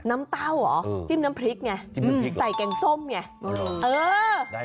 เต้าเหรอจิ้มน้ำพริกไงใส่แกงส้มไง